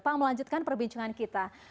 pak melanjutkan perbincangan kita